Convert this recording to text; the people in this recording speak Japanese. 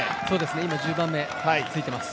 今、１０番目ついています。